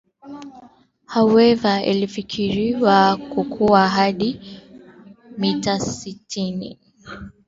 hoever ilifikiriwa kukua hadi mita sitini tu